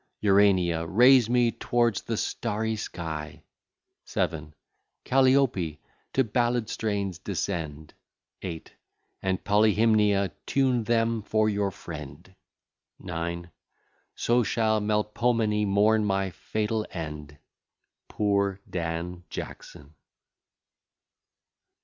Urania, raise me tow'rds the starry sky: 7. Calliope, to ballad strains descend, 8. And Polyhymnia, tune them for your friend; 9. So shall Melpomene mourn my fatal end. POOR DAN JACKSON.